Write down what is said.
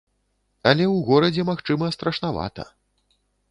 Але ў горадзе магчыма страшнавата.